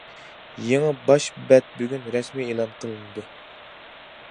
يېڭى باش بەت بۈگۈن رەسمىي ئېلان قىلىندى.